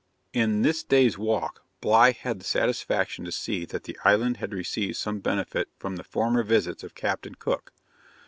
In this day's walk, Bligh had the satisfaction to see that the island had received some benefit from the former visits of Captain Cook.